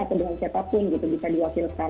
atau dengan siapapun gitu bisa diwakilkan